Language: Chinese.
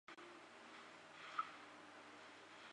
高可用性通常通过提高系统的容错能力来实现。